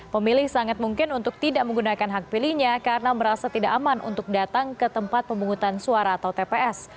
pemilih sangat mungkin untuk tidak menggunakan hak pilihnya karena merasa tidak aman untuk datang ke tempat pemungutan suara atau tps